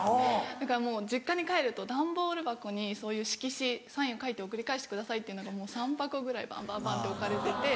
もう実家に帰ると段ボール箱にそういう色紙サイン書いて送り返してくださいっていうのが３箱くらいバンバンバンって置かれてて。